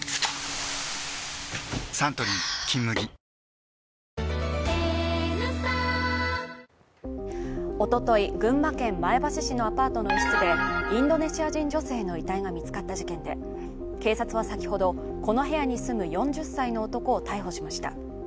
サントリー「金麦」おととい、群馬県前橋市のアパートの一室でインドネシア人女性の遺体が見つかった事件で警察は先ほど、この部屋に住む４０歳の男を逮捕しました。